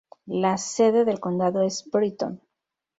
La sede del condado es Britton.